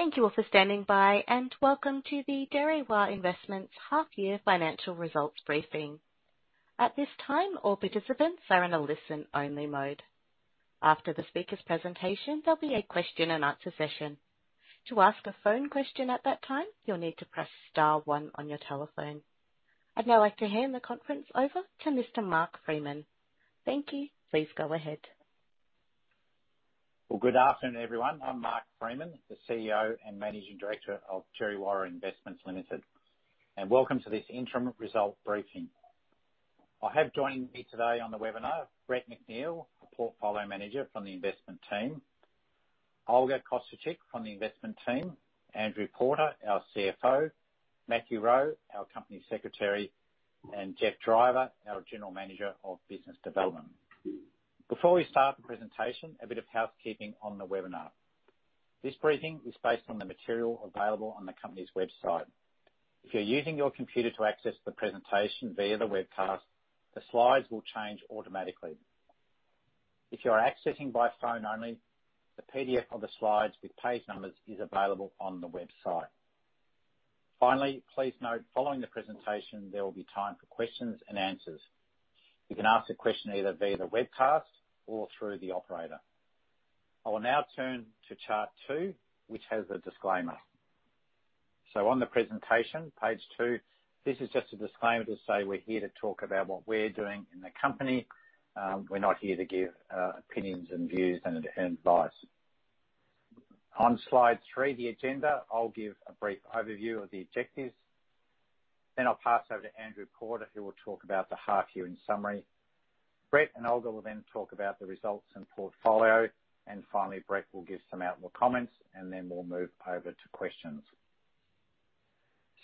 Thank you all for standing by, and welcome to the Djerriwarrh Investments Half-Year Financial Results Briefing. At this time, all participants are in a listen-only mode. After the speaker's presentation, there'll be a question and answer session. To ask a phone question at that time, you'll need to press star one on your telephone. I'd now like to hand the conference over to Mr. Mark Freeman. Thank you. Please go ahead. Well, good afternoon, everyone. I'm Mark Freeman, the CEO and Managing Director of Djerriwarrh Investments Limited. Welcome to this interim result briefing. I have joining me today on the webinar, Brett McNeill, Portfolio Manager from the investment team, Olga Kosciuczyk from the investment team, Andrew Porter, our CFO, Matthew Rowe, our Company Secretary, and Geoff Driver, our General Manager of Business Development. Before we start the presentation, a bit of housekeeping on the webinar. This briefing is based on the material available on the company's website. If you're using your computer to access the presentation via the webcast, the slides will change automatically. If you are accessing by phone only, the PDF of the slides with page numbers is available on the website. Finally, please note, following the presentation, there will be time for questions and answers. You can ask a question either via the webcast or through the operator. I will now turn to chart two, which has the disclaimer. On the presentation, page two, this is just a disclaimer to say we're here to talk about what we're doing in the company. We're not here to give opinions and views and advice. On slide three, the agenda, I'll give a brief overview of the objectives. Then I'll pass over to Andrew Porter, who will talk about the half year in summary. Brett and Olga will then talk about the results and portfolio. Finally, Brett will give some outlook comments, and then we'll move over to questions.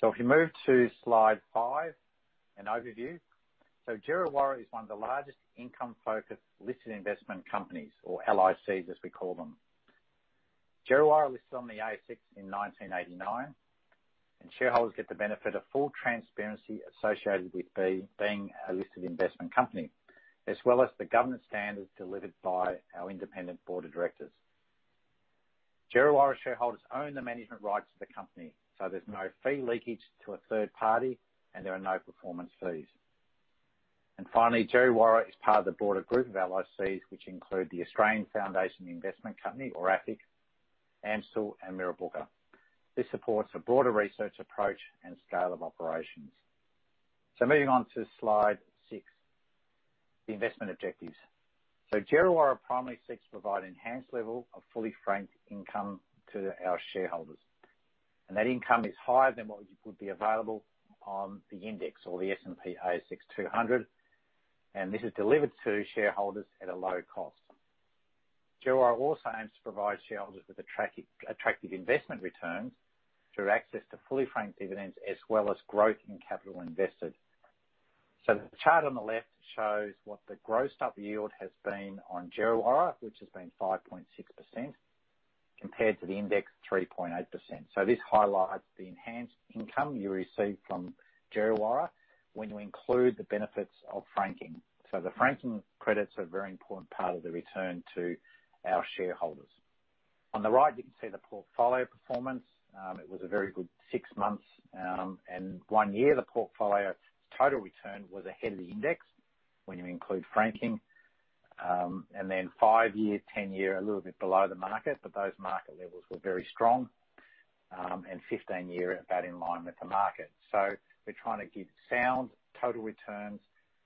If you move to slide five, an overview. Djerriwarrh is one of the largest income-focused listed investment companies or LICs, as we call them. Djerriwarrh listed on the ASX in 1989, and shareholders get the benefit of full transparency associated with being a listed investment company, as well as the governance standards delivered by our independent board of directors. Djerriwarrh shareholders own the management rights of the company, so there's no fee leakage to a third party, and there are no performance fees. Finally, Djerriwarrh is part of the broader group of LICs, which include the Australian Foundation Investment Company, or AFIC, AMCIL and Mirrabooka. This supports a broader research approach and scale of operations. Moving on to slide six, the investment objectives. Djerriwarrh primarily seeks to provide enhanced level of fully franked income to our shareholders. That income is higher than what would be available on the index or the S&P/ASX 200, and this is delivered to shareholders at a low cost. Djerriwarrh also aims to provide shareholders with attractive investment returns through access to fully franked dividends as well as growth in capital invested. The chart on the left shows what the grossed up yield has been on Djerriwarrh, which has been 5.6% compared to the index, 3.8%. This highlights the enhanced income you receive from Djerriwarrh when you include the benefits of franking. The franking credits are a very important part of the return to our shareholders. On the right, you can see the portfolio performance. It was a very good six months and one year. The portfolio total return was ahead of the index when you include franking. And then five-year, ten-year, a little bit below the market, but those market levels were very strong. 15-year about in line with the market. We're trying to give sound total returns,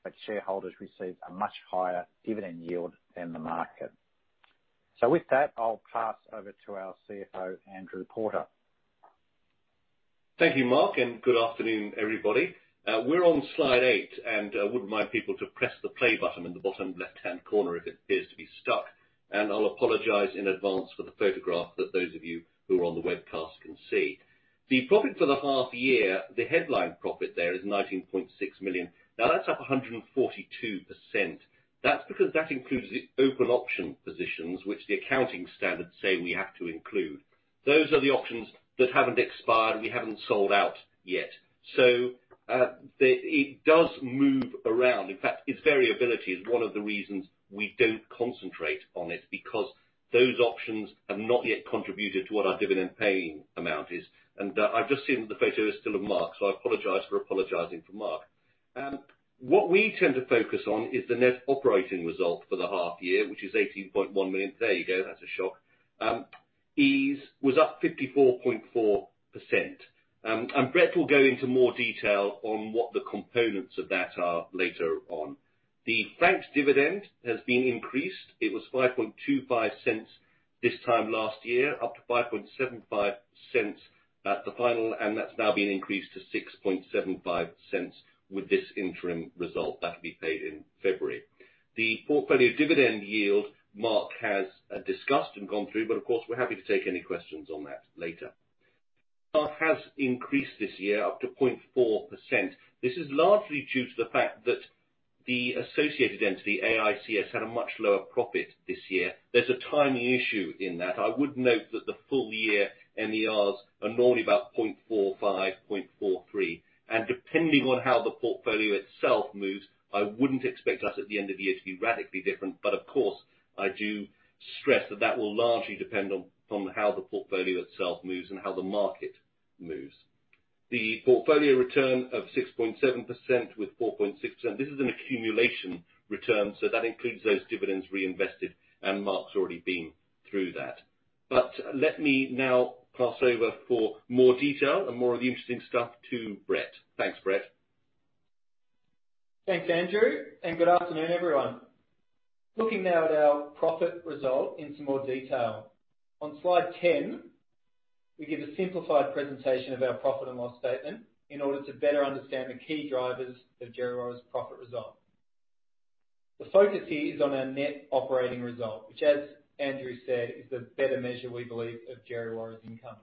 but shareholders receive a much higher dividend yield than the market. With that, I'll pass over to our CFO, Andrew Porter. Thank you, Mark, and good afternoon, everybody. We're on slide eight and wouldn't mind people to press the play button in the bottom left-hand corner if it appears to be stuck. I'll apologize in advance for the photograph that those of you who are on the webcast can see. The profit for the half year, the headline profit there is 19.6 million. Now, that's up 142%. That's because that includes the open option positions, which the accounting standards say we have to include. Those are the options that haven't expired and we haven't sold out yet. It does move around. In fact, its variability is one of the reasons we don't concentrate on it, because those options have not yet contributed to what our dividend paying amount is. I've just seen that the photo is still of Mark, so I apologize for apologizing for Mark. What we tend to focus on is the net operating result for the half year, which is 18.1 million. There you go, that's a shock. It was up 54.4%. Brett will go into more detail on what the components of that are later on. The franked dividend has been increased. It was 0.0525 this time last year, up to 0.0575 at the final, and that's now been increased to 0.0675 with this interim result that'll be paid in February. The portfolio dividend yield, Mark has discussed and gone through, but of course, we're happy to take any questions on that later. MER has increased this year up to 0.4%. This is largely due to the fact that the associated entity, AICS, had a much lower profit this year. There's a timing issue in that. I would note that the full year MERs are normally about 0.45%, 0.43%. Depending on how the portfolio itself moves, I wouldn't expect us at the end of the year to be radically different. But of course, I do stress that will largely depend on how the portfolio itself moves and how the market moves. The portfolio return of 6.7% with 4.6%, this is an accumulation return, so that includes those dividends reinvested, and Mark's already been through that. Let me now pass over for more detail and more of the interesting stuff to Brett. Thanks, Brett. Thanks, Andrew, and good afternoon, everyone. Looking now at our profit result in some more detail. On slide 10, we give a simplified presentation of our profit and loss statement in order to better understand the key drivers of Djerriwarrh's profit result. The focus here is on our net operating result, which, as Andrew said, is the better measure, we believe, of Djerriwarrh's income.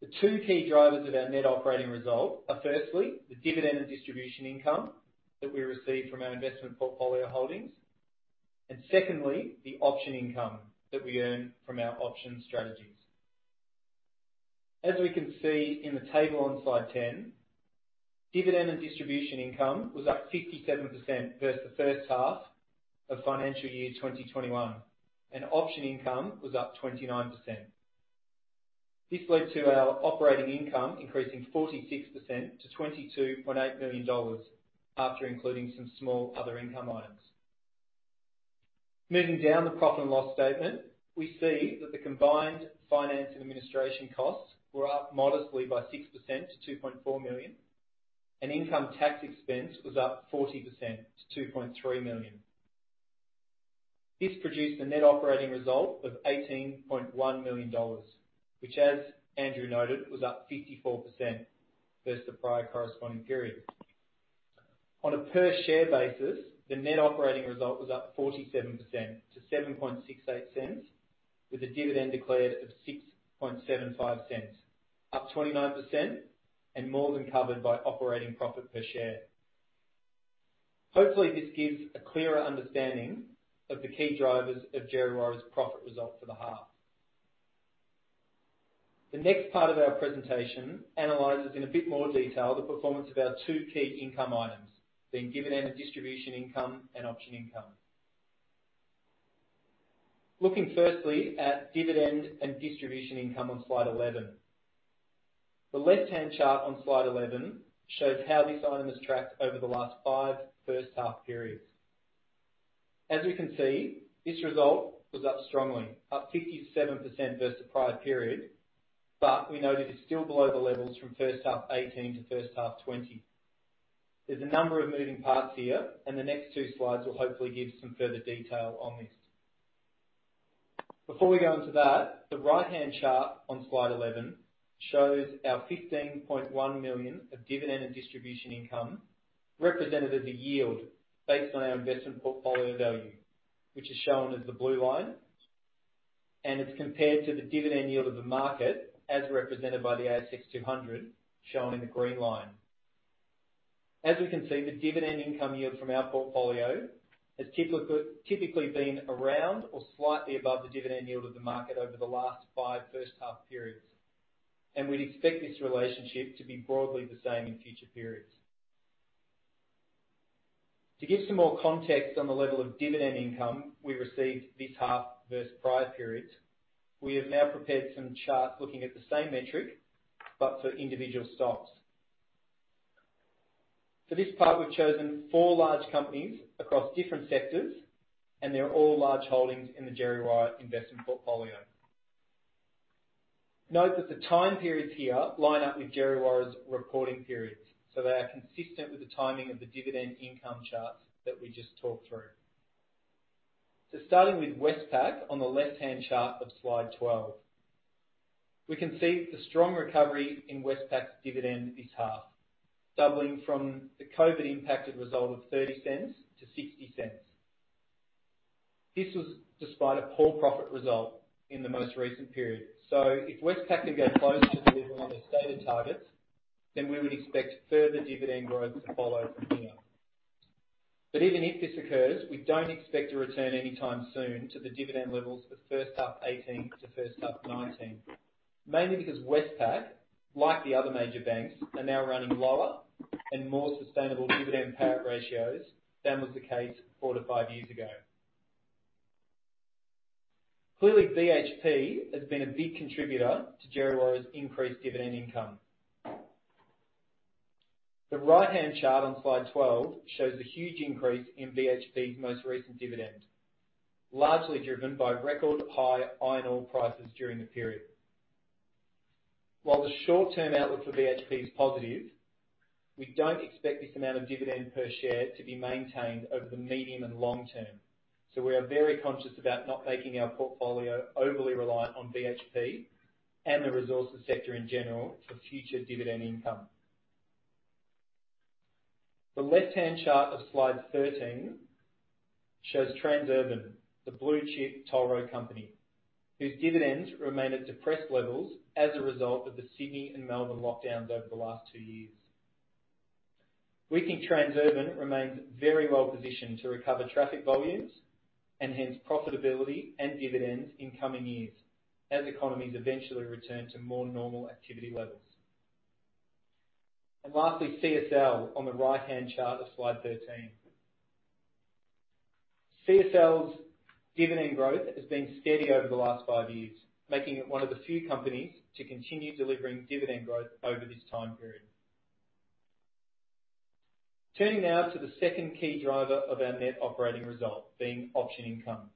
The two key drivers of our net operating result are firstly, the dividend and distribution income that we receive from our investment portfolio holdings, and secondly, the option income that we earn from our option strategies. As we can see in the table on slide 10, dividend and distribution income was up 57% versus the first half of financial year 2021, and option income was up 29%. This led to our operating income increasing 46% to 22.8 million dollars after including some small other income items. Moving down the profit and loss statement, we see that the combined finance and administration costs were up modestly by 6% to 2.4 million, and income tax expense was up 40% to 2.3 million. This produced a net operating result of 18.1 million dollars, which as Andrew noted, was up 54% versus the prior corresponding period. On a per-share basis, the net operating result was up 47% to 0.0768, with a dividend declared of 0.0675, up 29% and more than covered by operating profit per share. Hopefully, this gives a clearer understanding of the key drivers of Djerriwarrh's profit result for the half. The next part of our presentation analyzes, in a bit more detail, the performance of our two key income items, being dividend and distribution income and option income. Looking firstly at dividend and distribution income on slide 11. The left-hand chart on slide 11 shows how this item has tracked over the last 5 first half periods. As we can see, this result was up strongly, up 57% versus the prior period. We note it is still below the levels from first half 2018 to first half 2020. There's a number of moving parts here, and the next two slides will hopefully give some further detail on this. Before we go into that, the right-hand chart on slide 11 shows our 15.1 million of dividend and distribution income represented as a yield based on our investment portfolio value, which is shown as the blue line, and it's compared to the dividend yield of the market as represented by the ASX 200 shown in the green line. As we can see, the dividend income yield from our portfolio has typically been around or slightly above the dividend yield of the market over the last 5 first half periods. We'd expect this relationship to be broadly the same in future periods. To give some more context on the level of dividend income we received this half versus prior periods, we have now prepared some charts looking at the same metric but for individual stocks. For this part, we've chosen four large companies across different sectors, and they are all large holdings in the Djerriwarrh investment portfolio. Note that the time periods here line up with Djerriwarrh's reporting periods, so they are consistent with the timing of the dividend income charts that we just talked through. Starting with Westpac on the left-hand chart of slide 12. We can see the strong recovery in Westpac's dividend this half, doubling from the COVID-impacted result of 0.30 to 0.60. This was despite a poor profit result in the most recent period. If Westpac can go closer to delivering on their stated targets, then we would expect further dividend growth to follow from here. Even if this occurs, we don't expect to return anytime soon to the dividend levels for first half 2018 to first half 2019. Mainly because Westpac, like the other major banks, are now running lower and more sustainable dividend payout ratios than was the case 4-5 years ago. Clearly, BHP has been a big contributor to Djerriwarrh's increased dividend income. The right-hand chart on slide 12 shows the huge increase in BHP's most recent dividend, largely driven by record-high iron ore prices during the period. While the short-term outlook for BHP is positive, we don't expect this amount of dividend per share to be maintained over the medium and long term. We are very conscious about not making our portfolio overly reliant on BHP and the resources sector in general for future dividend income. The left-hand chart of slide 13 shows Transurban, the blue-chip toll road company, whose dividends remain at depressed levels as a result of the Sydney and Melbourne lockdowns over the last 2 years. We think Transurban remains very well positioned to recover traffic volumes and hence profitability and dividends in coming years as economies eventually return to more normal activity levels. Lastly, CSL on the right-hand chart of slide 13. CSL's dividend growth has been steady over the last 5 years, making it one of the few companies to continue delivering dividend growth over this time period. Turning now to the second key driver of our net operating result, being option income.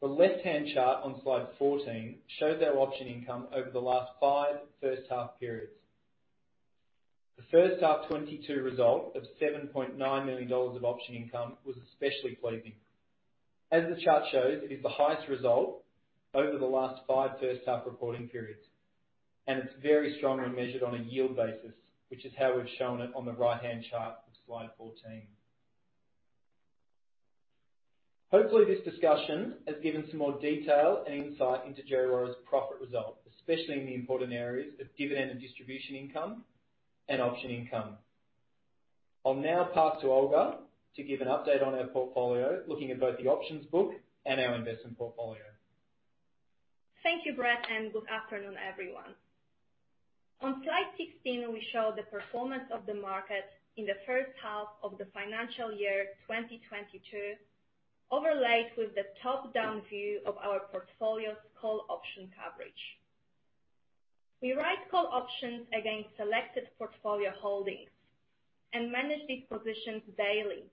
The left-hand chart on slide 14 shows our option income over the last 5 first half periods. The first half 2022 result of 7.9 million dollars of option income was especially pleasing. As the chart shows, it is the highest result over the last five first half reporting periods, and it's very strongly measured on a yield basis, which is how we've shown it on the right-hand chart of slide 14. Hopefully, this discussion has given some more detail and insight into Djerriwarrh's profit result, especially in the important areas of dividend and distribution income and option income. I'll now pass to Olga to give an update on our portfolio, looking at both the options book and our investment portfolio. Thank you, Brett, and good afternoon, everyone. On slide 16, we show the performance of the market in the first half of the financial year 2022, overlaid with the top-down view of our portfolio's call option coverage. We write call options against selected portfolio holdings and manage these positions daily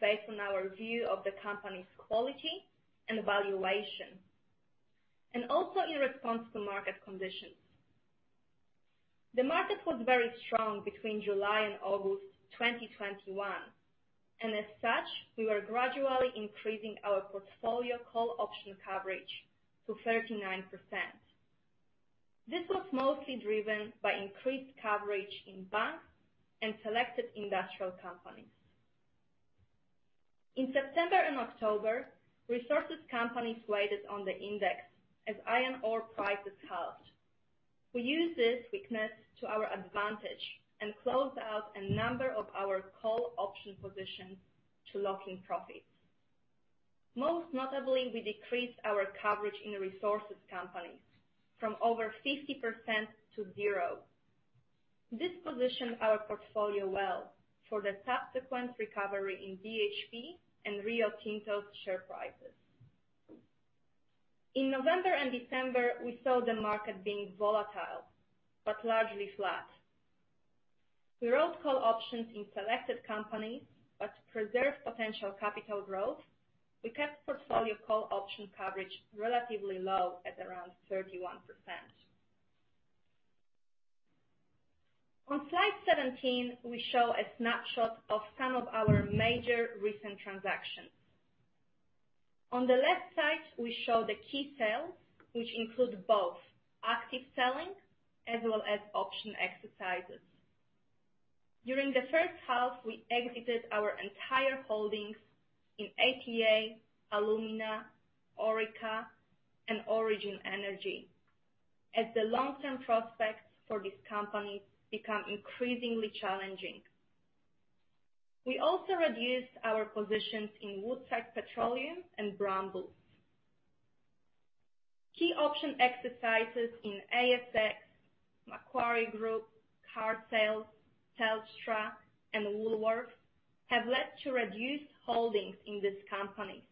based on our view of the company's quality and valuation, and also in response to market conditions. The market was very strong between July and August 2021, and as such, we were gradually increasing our portfolio call option coverage to 39%. This was mostly driven by increased coverage in banks and selected industrial companies. In September and October, resources companies weighed on the index as iron ore prices halved. We used this weakness to our advantage and closed out a number of our call option positions to lock in profits. Most notably, we decreased our coverage in resources companies from over 50% to zero. This positioned our portfolio well for the subsequent recovery in BHP and Rio Tinto's share prices. In November and December, we saw the market being volatile but largely flat. We wrote call options in selected companies, but to preserve potential capital growth, we kept portfolio call option coverage relatively low at around 31%. On slide 17, we show a snapshot of some of our major recent transactions. On the left side, we show the key sales, which include both active selling as well as option exercises. During the first half, we exited our entire holdings in ATA, Alumina, Orica, and Origin Energy, as the long-term prospects for these companies become increasingly challenging. We also reduced our positions in Woodside Petroleum and Brambles. Key option exercises in ASX, Macquarie Group, carsales.com, Telstra, and Woolworths have led to reduced holdings in these companies.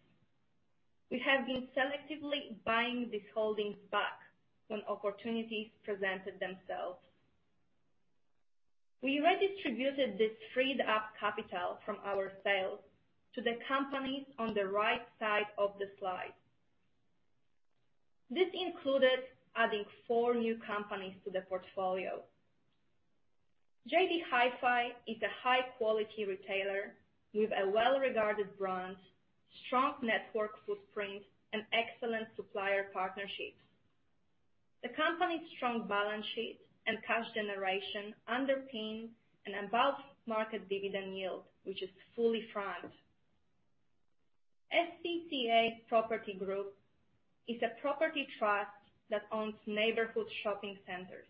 We have been selectively buying these holdings back when opportunities presented themselves. We redistributed this freed-up capital from our sales to the companies on the right side of the slide. This included adding four new companies to the portfolio. JB Hi-Fi is a high-quality retailer with a well-regarded brand, strong network footprint, and excellent supplier partnerships. The company's strong balance sheet and cash generation underpin an above-market dividend yield, which is fully franked. SCA Property Group is a property trust that owns neighborhood shopping centers.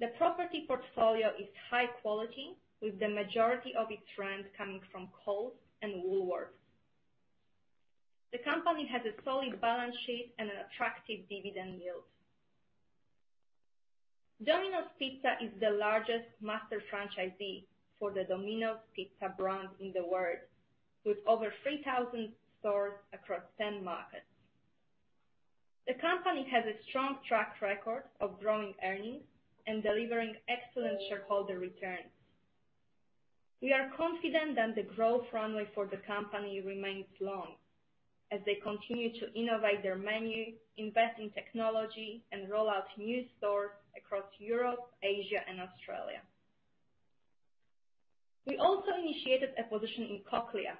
The property portfolio is high quality, with the majority of its rent coming from Coles and Woolworths. The company has a solid balance sheet and an attractive dividend yield. Domino's Pizza is the largest master franchisee for the Domino's Pizza brand in the world, with over 3,000 stores across 10 markets. The company has a strong track record of growing earnings and delivering excellent shareholder returns. We are confident that the growth runway for the company remains long as they continue to innovate their menu, invest in technology, and roll out new stores across Europe, Asia, and Australia. We also initiated a position in Cochlear,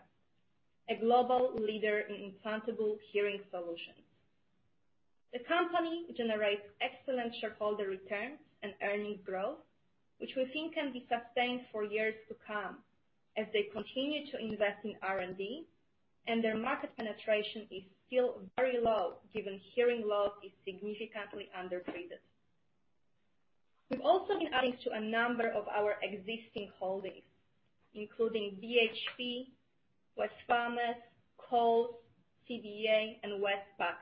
a global leader in implantable hearing solutions. The company generates excellent shareholder returns and earnings growth, which we think can be sustained for years to come as they continue to invest in R&D. Their market penetration is still very low, given hearing loss is significantly under-treated. We've also been adding to a number of our existing holdings, including BHP, Wesfarmers, Coles, CBA and Westpac,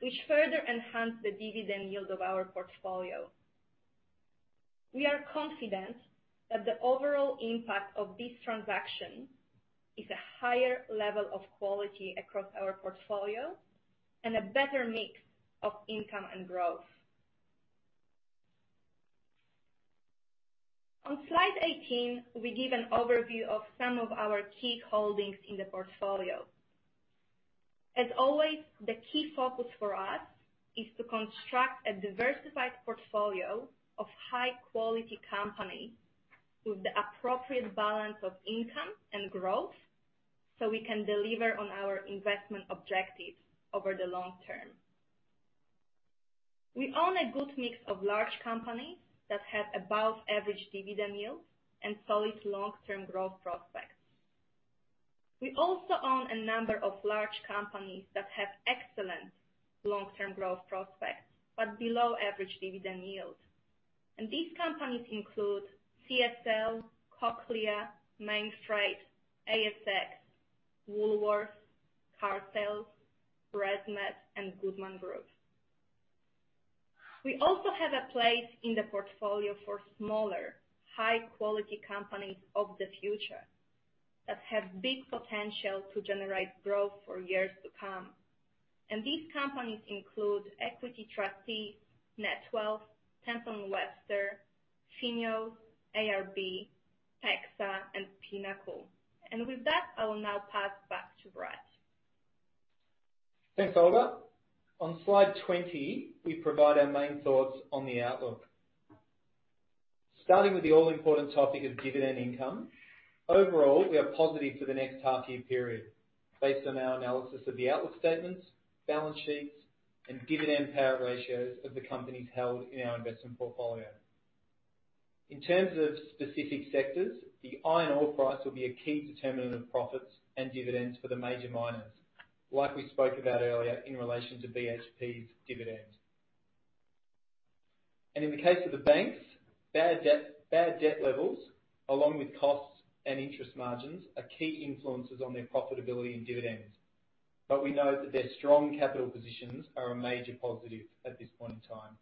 which further enhance the dividend yield of our portfolio. We are confident that the overall impact of this transaction is a higher level of quality across our portfolio and a better mix of income and growth. On slide 18, we give an overview of some of our key holdings in the portfolio. As always, the key focus for us is to construct a diversified portfolio of high quality companies with the appropriate balance of income and growth, so we can deliver on our investment objectives over the long term. We own a good mix of large companies that have above average dividend yields and solid long-term growth prospects. We also own a number of large companies that have excellent long-term growth prospects, but below average dividend yields. These companies include CSL, Cochlear, Mainfreight, ASX, Woolworths, carsales.com, ResMed and Goodman Group. We also have a place in the portfolio for smaller, high quality companies of the future that have big potential to generate growth for years to come. These companies include Equity Trustees, Netwealth, Temple & Webster, FINEOS, ARB, PEXA and Pinnacle. With that, I will now pass back to Brett. Thanks, Olga. On slide 20, we provide our main thoughts on the outlook. Starting with the all-important topic of dividend income. Overall, we are positive for the next half year period based on our analysis of the outlook statements, balance sheets and dividend payout ratios of the companies held in our investment portfolio. In terms of specific sectors, the iron ore price will be a key determinant of profits and dividends for the major miners, like we spoke about earlier in relation to BHP's dividends. In the case of the banks, bad debt levels, along with costs and interest margins, are key influencers on their profitability and dividends. We note that their strong capital positions are a major positive at this point in time.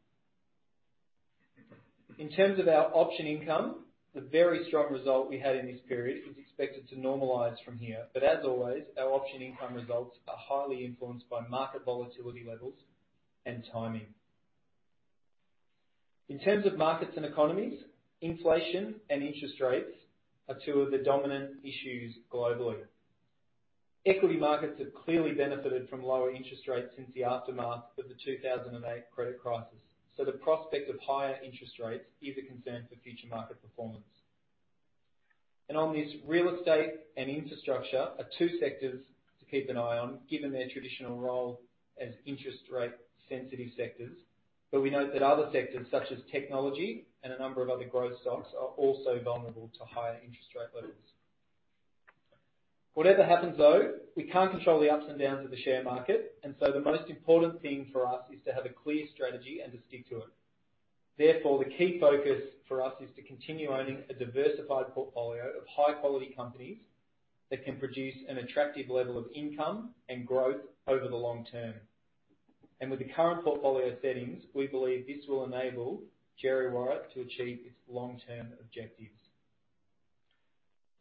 In terms of our option income, the very strong result we had in this period is expected to normalize from here, but as always, our option income results are highly influenced by market volatility levels and timing. In terms of markets and economies, inflation and interest rates are two of the dominant issues globally. Equity markets have clearly benefited from lower interest rates since the aftermath of the 2008 credit crisis, so the prospect of higher interest rates is a concern for future market performance. On this, real estate and infrastructure are two sectors to keep an eye on given their traditional role as interest rate sensitive sectors. We note that other sectors such as technology and a number of other growth stocks are also vulnerable to higher interest rate levels. Whatever happens though, we can't control the ups and downs of the share market, and so the most important thing for us is to have a clear strategy and to stick to it. Therefore, the key focus for us is to continue owning a diversified portfolio of high quality companies that can produce an attractive level of income and growth over the long term. With the current portfolio settings, we believe this will enable Djerriwarrh to achieve its long-term objectives.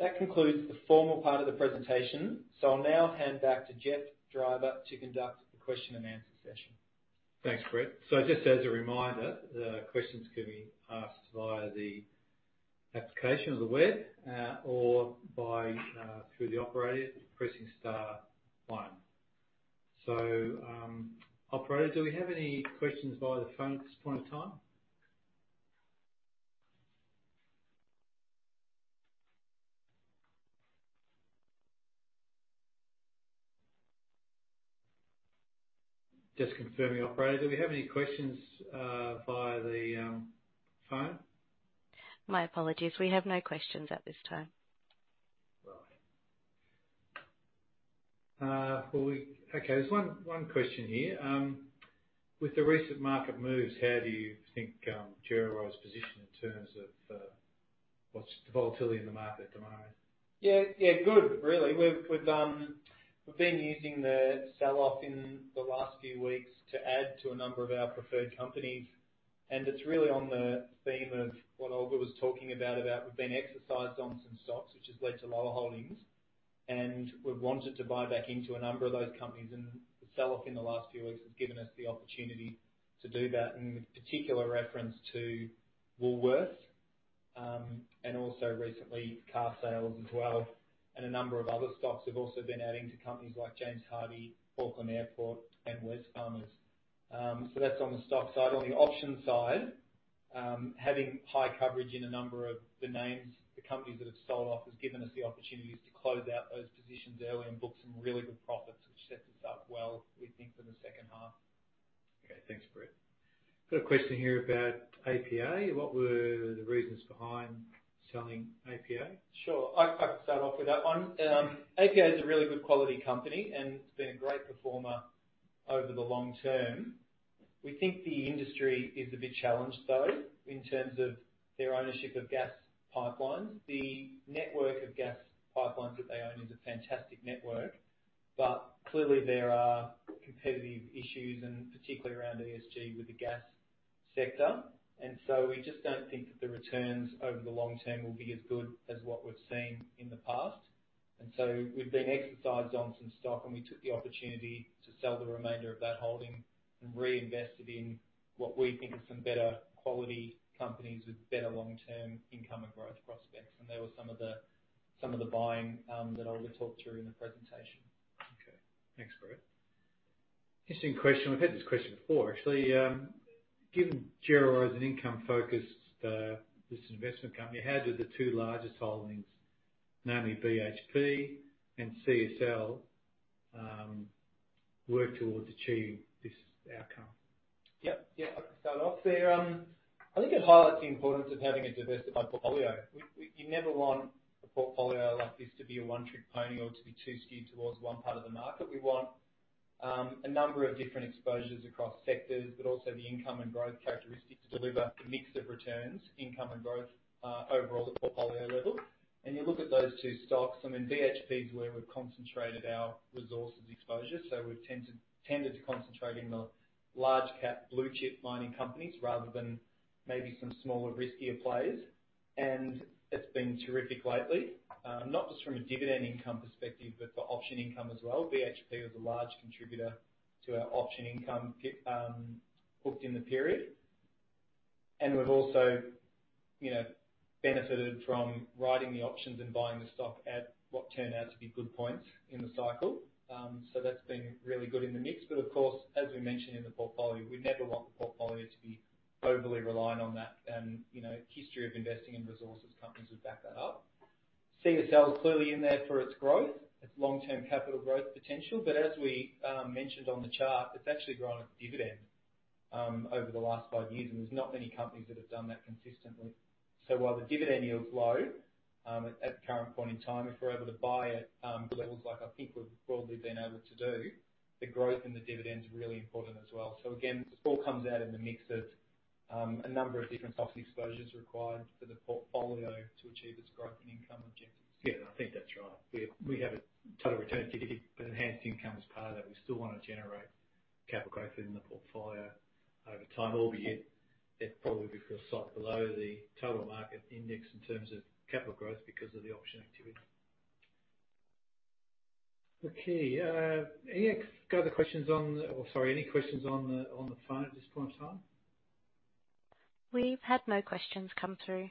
That concludes the formal part of the presentation. I'll now hand back to Geoff Driver to conduct the question and answer session. Thanks, Brett. Just as a reminder, the questions can be asked via the app or the web, or through the operator pressing star one. Operator, do we have any questions via the phone at this point in time? Just confirming, operator, do we have any questions via the phone? My apologies. We have no questions at this time. Right. Okay. There's one question here. With the recent market moves, how do you think Djerriwarrh's positioned in terms of what's the volatility in the market at the moment? Yeah, yeah, good, really. We've been using the sell-off in the last few weeks to add to a number of our preferred companies, and it's really on the theme of what Olga was talking about we've been exercised on some stocks, which has led to lower holdings, and we've wanted to buy back into a number of those companies. The sell-off in the last few weeks has given us the opportunity to do that with particular reference to Woolworths, and also recently carsales.com as well, and a number of other stocks. We've also been adding to companies like James Hardie, Auckland Airport and Wesfarmers. That's on the stock side. On the option side, having high coverage in a number of the names, the companies that have sold off, has given us the opportunities to close out those positions early and book some really good profits, which sets us up well, we think, for the second half. Okay, thanks, Brett. Got a question here about APA. What were the reasons behind selling APA? Sure. I can start off with that one. APA is a really good quality company, and it's been a great performer over the long term. We think the industry is a bit challenged, though, in terms of their ownership of gas pipelines. The network of gas pipelines that they own is a fantastic network. Clearly, there are competitive issues and particularly around ESG with the gas sector. We just don't think that the returns over the long term will be as good as what we've seen in the past. We've been exercised on some stock, and we took the opportunity to sell the remainder of that holding and reinvest it in what we think are some better quality companies with better long-term income and growth prospects. They were some of the buying that I already talked through in the presentation. Okay. Thanks, Brett. Interesting question. We've had this question before, actually. Given Djerriwarrh was an income-focused investment company, how did the two largest holdings, namely BHP and CSL, work towards achieving this outcome? I can start off there. I think it highlights the importance of having a diversified portfolio. You never want a portfolio like this to be a one-trick pony or to be too skewed towards one part of the market. We want a number of different exposures across sectors, but also the income and growth characteristics deliver a mix of returns, income and growth, overall at the portfolio level. You look at those two stocks. I mean, BHP is where we've concentrated our resources exposure, so we've tended to concentrate in the large cap blue chip mining companies rather than maybe some smaller, riskier players. It's been terrific lately, not just from a dividend income perspective, but for option income as well. BHP is a large contributor to our option income we got booked in the period. We've also benefited from writing the options and buying the stock at what turned out to be good points in the cycle. That's been really good in the mix. Of course, as we mentioned in the portfolio, we never want the portfolio to be overly reliant on that. You know, history of investing in resources companies would back that up. CSL is clearly in there for its growth, its long-term capital growth potential. As we mentioned on the chart, it's actually grown its dividend over the last five years, and there's not many companies that have done that consistently. While the dividend yield is low at the current point in time, if we're able to buy it levels like I think we've broadly been able to do, the growth in the dividend is really important as well. Again, this all comes out in the mix of a number of different types of exposures required for the portfolio to achieve its growth and income objectives. Yeah, I think that's right. We have a total return but enhanced income as part of that. We still wanna generate capital growth in the portfolio over time, albeit it'll probably be slightly below the total market index in terms of capital growth because of the option activity. Okay, any questions on the phone at this point in time? We've had no questions come through.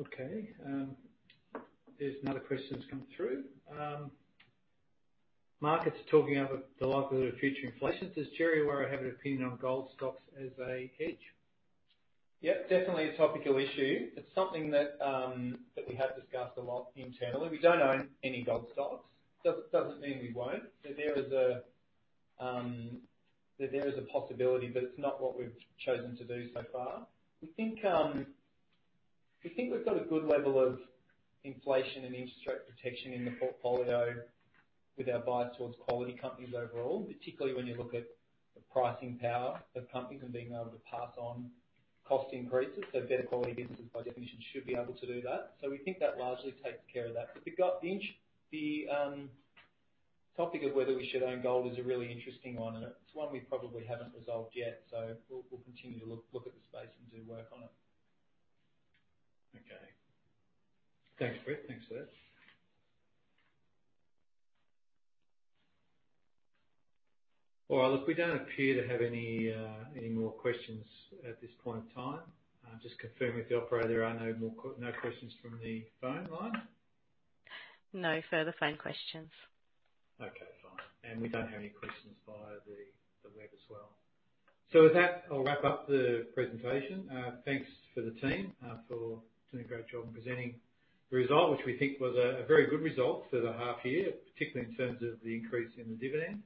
Okay, there's another question that's come through. Markets are talking about the likelihood of future inflation. Does Djerriwarrh or I have an opinion on gold stocks as a hedge? Yeah, definitely a topical issue. It's something that we have discussed a lot internally. We don't own any gold stocks. Doesn't mean we won't. There is a possibility, but it's not what we've chosen to do so far. We think we've got a good level of inflation and interest rate protection in the portfolio with our bias towards quality companies overall, particularly when you look at the pricing power of companies and being able to pass on cost increases. Better quality businesses, by definition, should be able to do that. We think that largely takes care of that. We've got the topic of whether we should own gold is a really interesting one, and it's one we probably haven't resolved yet, so we'll continue to look at the space and do work on it. Okay. Thanks, Brett. Thanks for that. Well, look, we don't appear to have any more questions at this point in time. I'll just confirm with the operator there are no questions from the phone line. No further phone questions. Okay, fine. We don't have any questions via the web as well. With that, I'll wrap up the presentation. Thanks for the team for doing a great job in presenting the result, which we think was a very good result for the half year, particularly in terms of the increase in the dividend.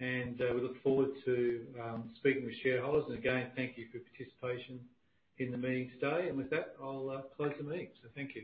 We look forward to speaking with shareholders. Again, thank you for your participation in the meeting today. With that, I'll close the meeting. Thank you.